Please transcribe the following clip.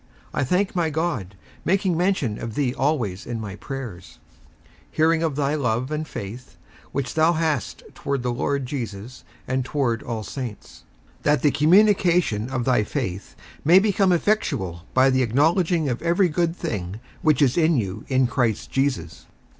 57:001:004 I thank my God, making mention of thee always in my prayers, 57:001:005 Hearing of thy love and faith, which thou hast toward the Lord Jesus, and toward all saints; 57:001:006 That the communication of thy faith may become effectual by the acknowledging of every good thing which is in you in Christ Jesus.